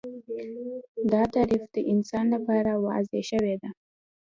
دا تعریف د انسان لپاره وضع شوی دی